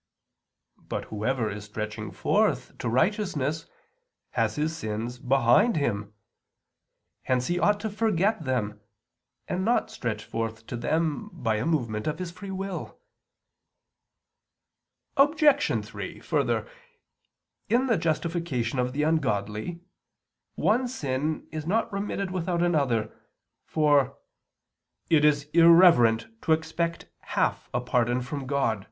But whoever is stretching forth to righteousness has his sins behind him. Hence he ought to forget them, and not stretch forth to them by a movement of his free will. Obj. 3: Further, in the justification of the ungodly one sin is not remitted without another, for "it is irreverent to expect half a pardon from God" [*Cap., Sunt.